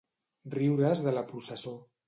Riure's de la processó.